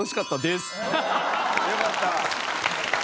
よかった。